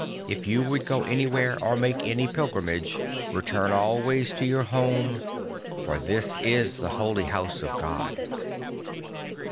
If you would go anywhere or make any pilgrimage, return always to your home; for this is the holy house of God."